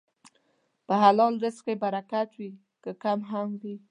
په حلال رزق کې برکت وي، که کم هم وي.